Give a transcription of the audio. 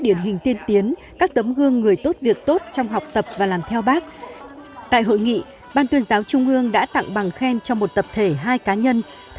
để tiếp tục đưa việc học tập và làm theo tư tưởng đạo đức phong cách hồ chí minh